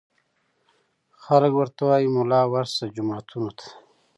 خلک ورته وايي ملا ورشه جوماتونو ته